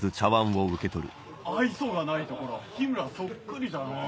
愛想がないところは緋村そっくりじゃのう。